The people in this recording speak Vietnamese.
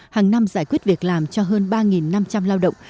hàng năm giải quyết việc làm cho hơn ba năm trăm linh lao động